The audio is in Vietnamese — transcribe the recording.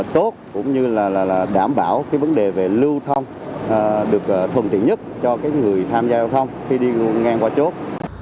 tốt cũng như là đảm bảo cái vấn đề về lưu thông được thuận tiện nhất cho người tham gia giao thông khi đi ngang qua chốt